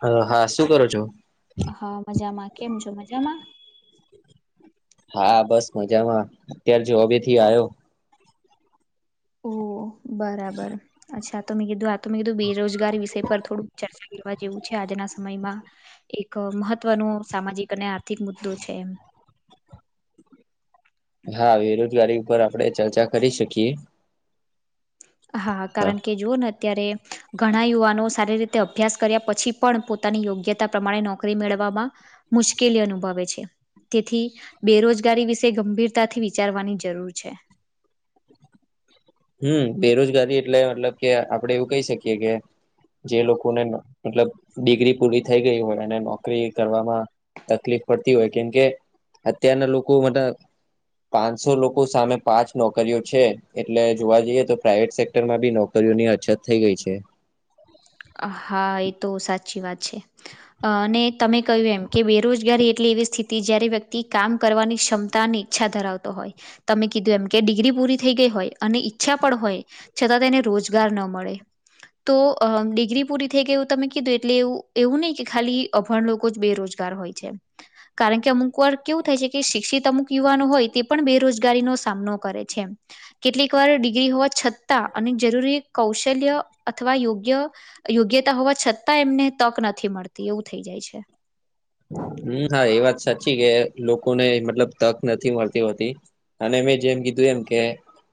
Hello હા શું કરો છો હા મજામાં કેમ છો મજામાં હા બસ મજામાં અત્યાર જોબે થી આવ્યો ઓ બરાબર અચ્છા તો મે કીધું આ તમે કીધું બેરોજગારી વિષય પર થોડુંક ચર્ચા કરવા જેવું છે આજના સમયમાં એક મહત્વનો સામાજિક અને આર્થિક મુદ્દો છે એમ હા બેરોજગારી ઉપર આપડે ચર્ચા કરી શકીએ હા કારણ કે જોઓને અ્યારે ઘણા યુવાનો સારી રીતે અભ્યાસ કર્યા પછી પણ પોતાની યોગ્યતા પ્રમાણે નો કરી મેળવામાં મુશ્કેલી અનુભવે છે તેથી બેરોજગારી વિશે ગંભીરતાથી વિચારવાની જરૂર છે હમ બેરોજગારી એટલે મતલબ કે આપડે એવું કહી શકીએ કે જે લોકોને મતલબ ડિગ્રી પૂરી થઈ ગઈ હોય અને નોકરી કરવામાં તકલીફ પડતી હોય કેમકે અત્યારના લોકો માત પાંચસો લોકો સામે પાંચ નોકરીઓ છે એ એટલે જોવા જઈએ તો પ્રાાઈવેટ સેક્ટરમાં બી નોકરીઓની અછત થઈ ગઈ છે હા એ તો સાચી વાત છે અને તમે કહ્યું એમ કે બેરોજગારી એટલી એવી સ્થિ તી જ્યારે વ્યક્તિ કામ કરવાની ક્ષમતા અને ઈચ્છા ધરાવતો હોય તમે કીધું એમ કે ડિગ્રી પૂરી થઈ ગઈ હોય અને ઈચ્છા પણ હોય છતાં તેને રોજગાર ન મળે તો અમ ડી ગ્રી પૂરી થઈ ગઈ એવું તમે કીધું એટલે એવું એવું નહીં કે ખાલી અભાણ લોકો જ બેરોજગાર હોય છે કારણ કે અમુક વાર કેવું થાય છે કે શિક્ષિત અમુક યુવાનો હોય તે પણ બેરોજગારીનો સામનો કરે છે એમ કેટલીક વાર ડિગ્રી હોવા છતાં અને જરૂરી કૌશલ્ય અથવા યોગ્ય યોગ્યતા હોવા છતાં એમને તક નથી મળતી એવું થઈ જાય છે હમ હા એ વાત સાચી કે લોકોને મતલબ તક નથી મળતી હોતી. અને મેં જેમ કીધું એમ કે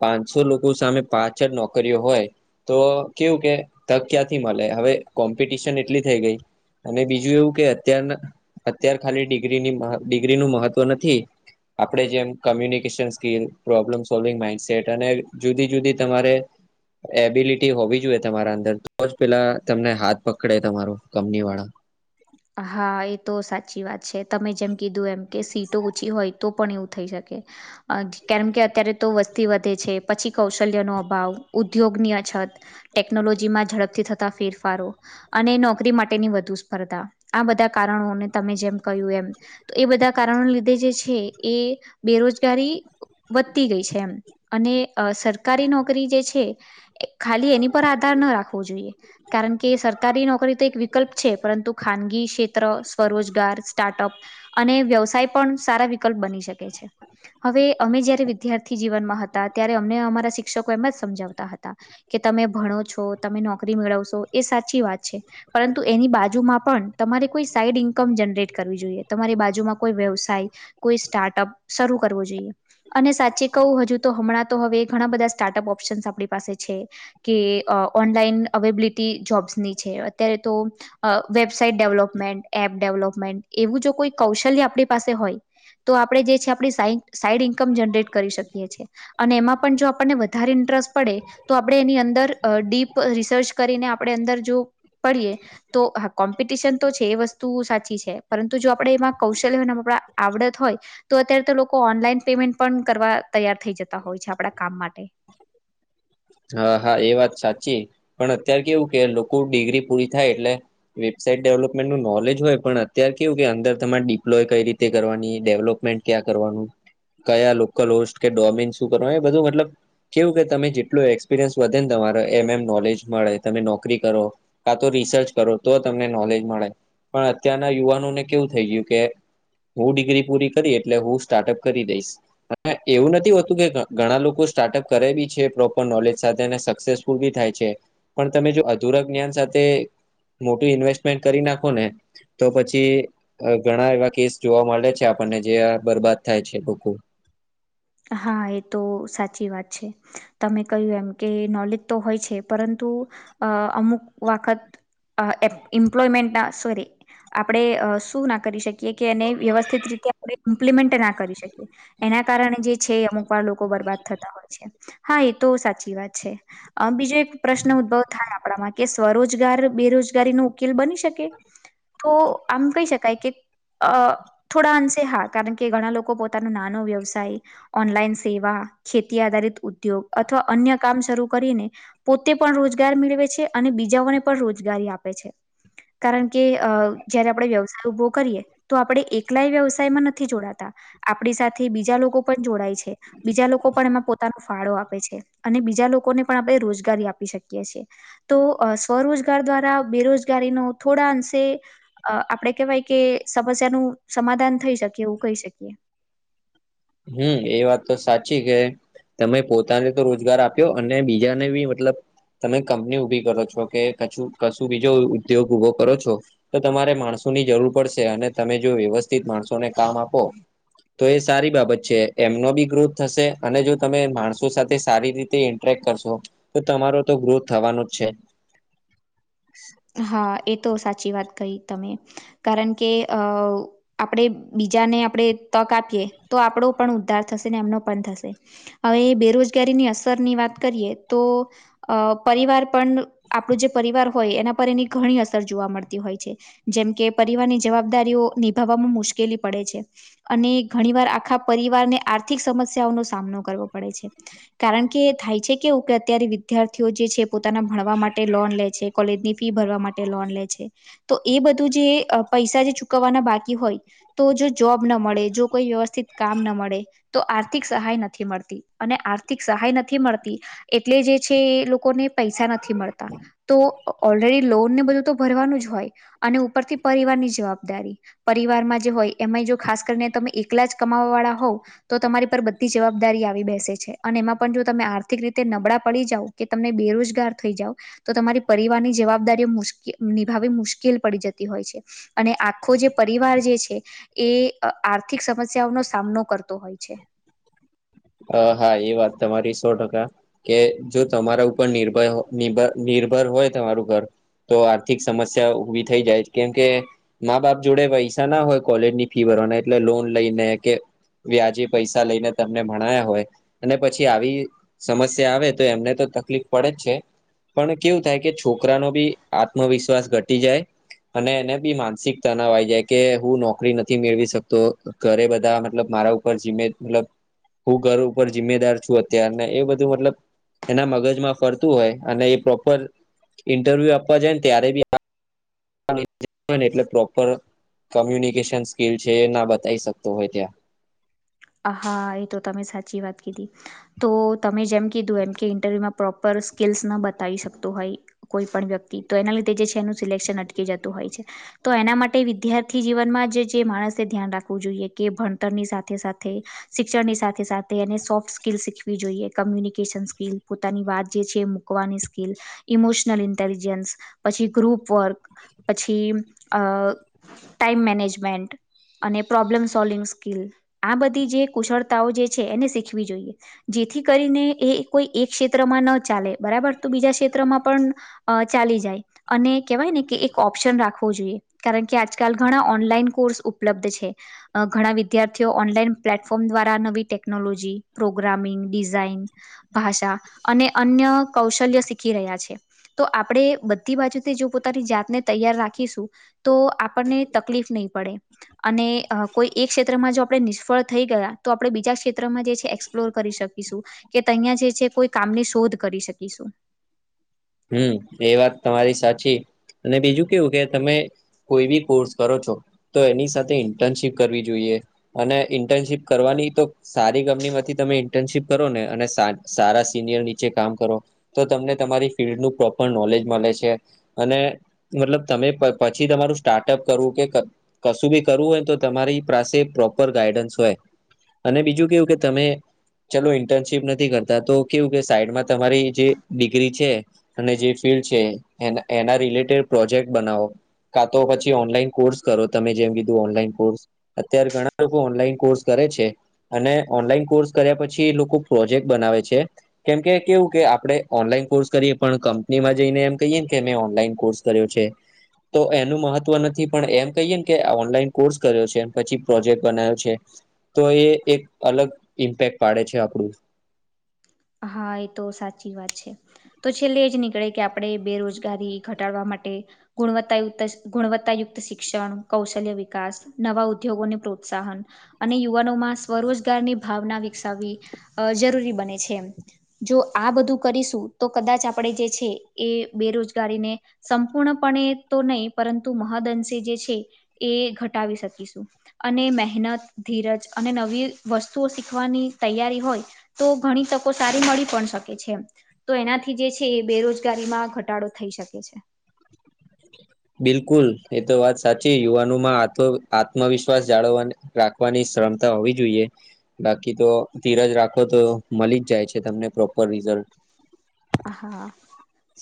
પાંચસો લોકો સામે પાછળ નોકરીઓ હોય. તો કેવું કે તક ક્યાંથી મળે હવે કોમ્પિટિશન એટલી થઈ ગઈ. અને બીજું એવું કે અત્યાર અત્યાર ખાલી ડિગ્રીની ડિગ્રી નું મહત્વ નથી. આપણે જેમ કમ્યુનિકેશન સોલ્વિંગ માઇન્ડસેટ અને જુદી જુદી તમારે. એબિલિટી હોવી જોઈએ તમારા અંદર તો જ પેલા તમને હાથ પકડે તમારું કમની વાળા. હા એ તો સાચી વાત છે તમે જેમ કીધું એમ કે સીટો ઓછી હોય તો. પણ એવું થઈ શકે. કેમ કે અત્યારે તો વસ્તી વધે છે પછી કૌશલ્યનો અભાવ ઉદ્યોગની અછત. ટેકનોલોજીમાં ઝડપથી થતાં ફેરફારો અને નોકરી માટેની વધુ સ્પર્ધા. આ બધા કારણોને તમે જેમ કહ્યું એમ તો એ બધા કારણો લીધે જે છે એ બેરોજગારી. વધતી ગઈ છે એમ અને સરકારી નોકરી જે છે. ખાલી એની પર આધાર ના રાખવો જોઈએ. કારણ કે સરકારી નોકરી તો એક વિકલ્પ છે પરંતુ. ખાનગી ક્ષેત્ર સ્વરોજગાર સ્ટાર્ટઅપ. અને વ્યવસાય પણ સારા વિકલ્પ બની શકે છે. હવે અમે જયારે વિદ્યાર્થી જીવનમાં હતા ત્યારે અમને અમારા શિક્ષકો એમ જ સમજાવતા હતા. કે તમે ભણો છો તમે નોકરી મેળવશો એ સાચી વાત છે પરંતુ એની બાજુમાં. પણ તમારે કોઈ સાઈડ ઇન્કમ જનરેટ કરવી જોઈએ તમારી બાજુમાં કોઈ વ્યવસાય. કોઈ સ્ટાર્ટઅપ શરૂ કરવો જોઈએ. અને સાચે કહું હજુ તો હમણાં તો હવે ઘણા બધા સ્ટાર્ટઅપ ઓપ્શનસ આપણી પાસે છે. કે ઓનલાઈન અવેબલિટી જોબ્સની છે અત્યારે તો. વેબસાાઈટ ડેવલપમેન્ટ એપ ડેવલપમેન્ટ એવું જો કોઈ કૌશલ્ય આપણી પાસે હોય. તો આપણે જે છે આપણી સા સાઈડ ઇન્કમ જનરેટ કરી શકીએ છીએ. અને એમાં પણ જો આપણને વધારે ઇન્ટરેસ્ટ પડે. તો આપણે એની અંદર ડીપ રિસર્ચ કરીને આપણે અંદર જો પડીએ. કોમ્પિટિશન તો છે એ વસ્તુ સાચી છે પરંતુ જો આપણેે એમાં કૌશલ્યને આપ આવડત હોય. તો અત્યારે તો લોકો ઓનલાઈન પેમેન્ટ પણ કરવા તૈયાર થઈ જતા હોય છે આપડા કામ માટે. હા હા એ વાત સાચી પણ અત્યારે કેવું કે લોકો ડિગ્રી પૂરી થાય એટલે. વેબસાાઈટ ડેવલપમેન્ટ નું નોલેજ હોય પણ અત્યારે કેવું કે અંદર તમારે ડિપ્લોય કઈ રીતે કરવાની ડેવલપમેન્ટ. ક્યા કરવાનું કયા લોકલ હોસ્ટ કે ડોમિન શું કરવાનું એ બધું મતલબ કેવું કે તમે. એટલું એક્સપિરિયન્સ વધે ને તમારે એમ એમ નોલેજ મળે તમે નોકરી કરો. કા તો રિસર્ચ કરો તો તમને નોલેજ મળે પણ અત્યારના યુવાનોને કેવું થઈ ગયું કે. હું ડિગ્રી પૂરી કરી એટલે હું સ્ટાર્ટઅપ કરી દઈશ. એવું નથી હોતું કે ઘણા લોકો સ્ટાર્ટઅપ કરે બી છે પ્રો નોલેજ સાથે સક્સેસફુલ થાય છે પણ તમે જો અધુરા જ્ઞાન સાથે. મોટું ઇન્વેસ્ટમેન્ટ કરી નાખો ને. તો પછી ઘણા એવા કેસ જોવા મળે છે આપણને જે બરબાદ થાય છે લોકો. હા એ તો સાચી વાત છે. તમે કહ્યું એમ કે નોલેજ તો હોય છે પરંતુ અ અમુક વખત. એ એમપ્લોયમેન્ટા સોરી. આપણે શું ના કરી શકીએ કે એને વ્યવસ્થિત રીતે આપણે ઇમ્પ્લિમેન્ટ ના કરી શકીએ. એના કારણે જે. છે અમુક વાર લોકો બરબાદ થતા હોય છે હા એ તો સાચી વાત છે બીજે. પ્રશ્ન ઉદ્ભવ થાય આપણામાં કે સ્વરોજગાર બેરોજગારીનો ઉકેલ બની શકે. તો આમ કહી શકાય કે. અ થોડા અંશે હા કારણ કે ઘણા લોકો પોતાનો નાનો વ્યવસાય. ઓનલાઈન સેવા ખેતી આધારિત ઉદ્યોગ અથવા અન્ય કામ શરૂ કરીને પોતે પણ રોજગાર મેળવે છે અને બીજાઓને પણ રોજગારી આપે છે. કારણ કે અ જયારે આપણેે વ્યવસાય ઉભો કરીએ. તો આપણે એકલાય વ્યવસાયમાં નથી જોડાતા, આપણી સાથે બીજા લોકો પણ જોડાય છે. બીજા લોકો પણ એમાં પોતાનો ફાળો આપે છે. અને બીજા લોકોને પણ આપણે રોજગારી આપી શકીએ છે. તો સ્વરોજગાર દ્વારા બેરોજગારીનો થોડા અંશે અ આપડે કેવાય કે સમસ્યાનું સમાધાન થઈ શકીએ એવું કહી શકીએ હમ એ વાત તો સાચી કે તમે પોતાને તો રોજગાર આપ્યો અને બીજાને બી મતલબ તમે કંપની ઉઊભી કરો છો કે, કું કશું બીજો ઉદ્યોગ ઉઊભો કરો છો. તો તમારે માણસોની જરૂર પડશે અને તમે જો વ્યવસ્થિત માણસોને કામ આપો તો એ સારી બાબત એમનો બી ગ્રોથ થશે. અને જો તમે માણસો સાથે સારી રીતે ઇન્ટરેક્ટ કરશો. તો તમારો તો ગ્રોથ થવાનો જ છે. હા એ તો સાચી વાત કહી તમે કારણ કે અ બીજાને આપણે તક આપીએ તો આપણો પણ ઉદ્ધાર થશે એમનો પણ થશે. હવે બેરોજગારીની અસરની વાત કરીએ તો અ પરિવાર પણ આપણું જે પરિવાર હોય એના પર એની ઘણી અસર જોવા મળતી હોય છે. જેમ કે પરિવારની જવાબદારીઓ નિભાવવામાં મુશ્કેલી પડે છે. અને ઘણી વાર આખા પરિવારને આર્થિક સમસ્યાઓનો સામનો કરવો પડે છે. કારણ કે થાય છે કે, કે અત્યારે વિદ્યાર્થીઓ જે છે. પોતાના ભણવા માટે લોન લે છે. કોલેજની ફી ભરવા માટે લોન લે છે. તો એ પૈસા જે ચૂકવવાના બાકી હોય. તો જો ના મળે જો કોઈ વ્યવસ્થિત કામ મળે. તો આર્થિક સહાય નથી મળતી અને આર્થિક સહાય નથી મળતી એટલે જે છે એ લોકોને પૈસા તો ઓલરેડી લોનને બધું તો ભરવાનું જ હોય અને ઉપરથી પરિવારની જવાબદારી પરિવારમાં જે હોય એમાંય જો ખાસ કરીને તમે એકલા જ કમાવવા વાળા હોવ તો તમારી પર બધી જવાબદારી આવી બેસે છે અને એમાં પણ જો તમે આર્થિક રીતે નબળા પડી જાવ કે તમને બેરોજગાર થઈ જાવ તો તમારી પરિવારની જવાબદારીઓ મુશ્કે નિભાવી મુશ્કેલ પડી જતી હોય છે. અને આખો જે પરિવાર જે છે. એ આર્થિક સમસ્યાઓનો સામનો કરતો હોય છે. અ હા એ વાત તમારી સો ટકા કે જો તમારા ઉપર નિર્ભર નિર્ભર હોય તમારું ઘર તો આર્થિક સમસ્યા ઉભી થઈ જાય કેમ કે મા બાપ જોડે પૈસા ના હોય કોલેજની ફી ભરવાના એટલે લોન લઈને કે વ્યાજે પૈસા લઈને તમને ભણ હોય અને પછી આવી સમસ્યા આવે તો એમને તો તકલીફ પડે જ છે. પણ કેવું થાય કે છોકરાનોબી આત્મવિશ્વાસ ઘટી જાય અને એને બી માનસિક તનાવ આ આવી જાય કે હું નોકરી નથી મેળવી શકતો. ઘરે મતલબ ઉપર જીમે મતલબ હું ઘર ઉપર જિમ્મેદાર છું અત્યારને એ બધું મતલબ એના મગજમાં ફરતું હોય અને એ પ્રોપર ઇન્ટરવ્યુ આપવા જાયને ત્યારે બી એટ પ્રોપર કમ્યુનિકેશન સ્કીલ છે એ, ના બતાવી શકતો હોય ત્યાં હા એ તો તમે સાચી વાત કીધી તો તમે જેમ કીધું એમ કે ઇન્ટરવ્યુમાં પ્રોપર સ્કિલ્સ ન બતાવી શકતો હોય. કોઈ પણ વ્યક્તિ તો એના લીધે જે છે. એનું સિલેક્શન અટકી જતું હોય છે. તો એના માટે વિદ્યાર્થી જીવનમાં જ જે માણસે ધ્યાન રાખવું જોઈએ કે ભણતરની સાથે સાથે તે શિક્ષણની સાથે સાથે એને સોફ્ટ સ્કીલ શીખવી જોઈએ. કમ્યુનિકેશન સ્કીલ પોતાની વાત જે છે વાની સ્કીલ ઇમોશનલ ઇન્ટેલિજન્સ પછી ગ્રુપ વર્ક પછી અ ટાઈમ મેનેજમેન્ટ અને પ્રોબ્લેમ સોલ્વિંગ સ્કીલ આ બધી જે કુશળતાઓ જે છે, એને શીખવી જોઈએ. જેથી કરીને એ કોઈ એક ક્ષેત્રમાં ન ચાલે બરાબર તો બીજા ક્ષેત્રમાં પણ અ ચાલી જાય અને કહેવાય ને કે એક ઓપ્શન રાખવો જોઈએ. કારણકે આજકાલ ઘણા ઓનલાઈન કોર્સ ઉપલબ્ધ છે, અ ઘણા વિદ્યાર્થી તેઓ ઓનલાઈન પ્લેટફોર્મ દ્વારા નવી ટેકનોલોજી, પ્રોગ્રામિંગ, ડિઝાઇન ભાષા અને અન્ય કૌશલ્ય શીખી રહ્યા છે. તો આપડે બધી બાજુથી જો પોતાની જાતને તૈયાર રાખીશું તો આપણને તકલીફ નહીં પડે અને અ કોઈ એક ક્ષેત્રમાં જો અપ પણે નિષ્ફળ થઈ ગયા તો આપણે બીજા ક્ષેત્રમાં જે છે એક્સપ્લોર કરી શક કીશું કે તહીંયા જે છે કોઈ કામની શોધ કરી શકીશું. હમ એ વાત તમારી સાચી અને બીજું કેવું કે તમે કોઈ બી કોર્સ કરો છો તો એની સાથે ઇન્ટર્નશીપ કરવી જોઈએ. અને ઇન્ટર્નશીપ કરવાની તો સારી કંપનીમાંથી તમે ઇન્ટર્નશીપ કરો ને અને સાં સારા સિનિયર નીચે કામ કરો તો તમને તમારી ફિલ્ડનું પ્રોપર નોલેજ મલે છે, અને મતલબ તમે પ પછી તમારું સ્ટાર્ટઅપ કરવું કે ક કશું બી કરવું હોય તો તમારી પ્રાસે પ્રોપર ગાઈડન્સ હોય. અને બીજું કેવું કે તમે ચલો ઇન્ટર્નશીપ નથી કરતા તો કેવું કે સાઈડમાં તમારી જે ડિગ્રી છે. અને જે ફિલ્ડ છે એના એના રિલેટેડ પ્રોજેક્ટ બનાવો. કાં તો પછી ઓનલાઈન કોર્સ કરો તમે જેમ કીધું ઓનલાઈન કોર્સ અત્યારે ઘણા ઓનલાઈન કોર્સ કરે છે. અને ઓનલાઈન કોર્સ કર્યા પછી એ લોકો પ્રોજેક્ટ બનાવે છે. કેમકે કેવું કે આપડે ઓનલાઈન કોર્સ કરીએ પણ કંપનીમાં જઈને એમ કહીએને કે અમે ઓનલાઈન કોર્સ કર્યો છે તો એનું મહત્વ નથી પણ એમ કહીએ ને કે આ ઓનલાઈન કોર્સ કર્યો છે ન પછી પ્રોજેક્ટ બનાયો છે. તો એ એક અલગ ઇમ્પેક્ટ પાડે છે આપડું. હા એ તો સાચી વાત છે. તો છેલ્લે એ જ નીકળે કે આપડે બેરોજગારી ઘટાડવા માટે ગુણવત્તાયુક્ત સ, ગુણવત્તાયુક્ત શિક્ષણ કૌશલ્ય વિકાસ નવા ઉદ્યોગોને પ્રોત્સાહન અને યુવાનોમાં સ્વરોજગારની ભાવના વિકસાવવી અ જરૂરી બને છે એમ. જો આ બધું કરીશું તો કદાચ આપડે જે છે એ બેરોજગારીને સંપૂર્ણપણે તો નહી, પરંતુ મહદઅંશે જે છે એ ઘટાવી શકીશું. અને મહેનત, ધીરજ અને નવી વસ્તુઓ શીખવાની તૈયારી હોય તો ઘણી તક કો મળી પણ શકે છે એમ, તો એનાથી જે છે એ બેરોજગારીમાં ઘટાડો થઈ શકે છે. બિલકુલ એ તો વાત સાચી યુવાનોમાં આત, આત્મવિશ્વાસ જાળવાને રાખવાની શ્રમતા હોવી જોઈએ, બાકી તો ધીરજ રાખો તો મલી જ જાય છે તમને પ્રોપર રિઝલ્ટ. હા,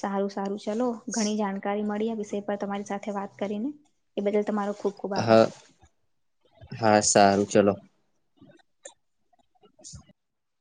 સારું સારું ચલો ઘણી જાણકારી મળી આ વિષય પર તમારી સાથે થે વાત કરીને એ બદલ તમારો ખુબ ખુબ આભાર હા, હા સારું ચલો. [unintelligible]